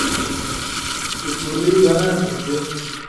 اصولی بناں تھہ چے